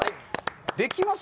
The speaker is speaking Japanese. できます？